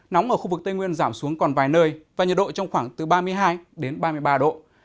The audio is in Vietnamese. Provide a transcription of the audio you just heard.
nóng ở khu vực tây nguyên giảm xuống còn vài nơi và nhiệt độ trong khoảng từ ba mươi hai đến ba mươi ba độ